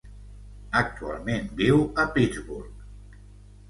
Actualment viu a Pittsburgh.